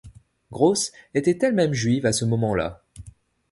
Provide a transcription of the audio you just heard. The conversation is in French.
Gross était elle-même juive à ce moment-là.